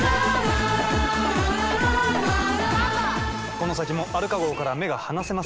この先もアルカ号から目が離せませんね。